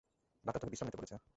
Doctor তোকে বিশ্রাম নিতে বলেছে।